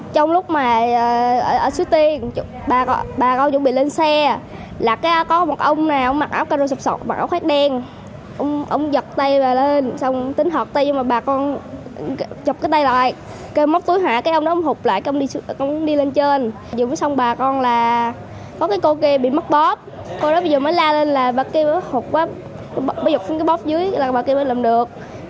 trong lúc mà ở suối tiền ba con chuẩn bị lên xe là có một ông nào mặc áo cây rô sụp sọc